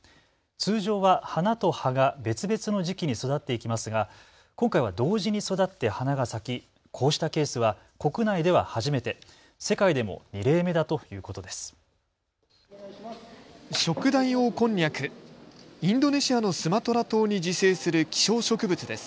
通常は花と葉が別々の時期に育っていきますが今回は同時に育って花が咲きこうしたケースは国内では初めて、世界でも２例目だということです。